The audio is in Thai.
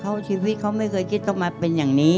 เขาชีวิตเขาไม่เคยคิดต้องมาเป็นอย่างนี้